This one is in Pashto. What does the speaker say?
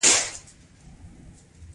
ماشومانو او سپین ږیرو هم کارونه کول.